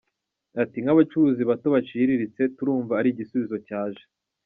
Ati "Nk’abacuruzi bato baciriritse, turumva ari igisubizo cyaje.